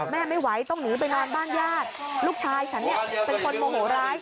แม่ไม่ไหวต้องหนีไปนอนบ้านญาติลูกชายฉันเนี่ยเป็นคนโมโหร้าย